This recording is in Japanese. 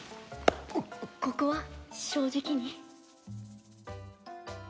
ここは正直に。